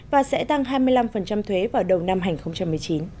và sẽ tăng hai mươi năm thuế vào đầu năm hai nghìn một mươi chín